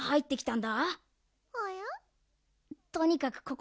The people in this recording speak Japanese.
ん？